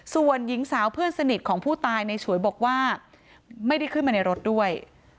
ส่วนหญิงสาวเพื่อนสนิทของผู้ตายในฉวยบอกว่าไม่ได้ขึ้นมาในรถด้วย